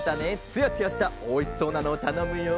つやつやしたおいしそうなのをたのむよ。